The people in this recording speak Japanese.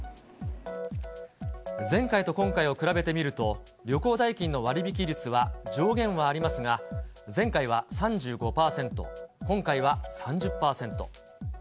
前回と今回を比べてみると、旅行代金の割引率は上限はありますが、前回は３５％、今回は３０％。